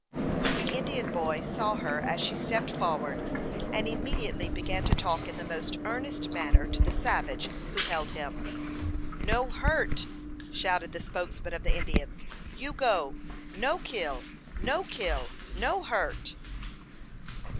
The Indian boy saw her as she stepped forward, and immediately began to talk in the most earnest manner to the savage who held him. "No hurt!" shouted the spokesman of the Indians. "You go no kill; no kill, no hurt."